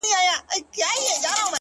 • چي ملا كړ ځان تيار د جگړې لور ته ,